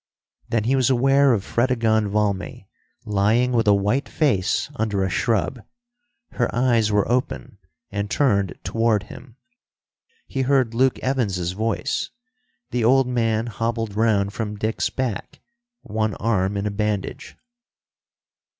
Then he was aware of Fredegonde Valmy lying with a white face under a shrub. Her eyes were open, and turned toward him. He heard Luke Evans's voice. The old man hobbled round from Dick's back, one arm in a bandage.